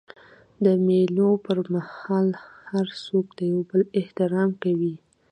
د مېلو پر مهال هر څوک د یو بل احترام کوي.